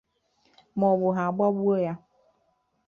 maọbụ ha agbagbuo ya.